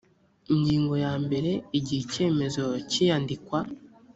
ingingo ya mbere igihe icyemezo cy iyandikwa